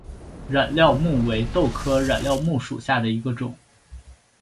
染料木为豆科染料木属下的一个种。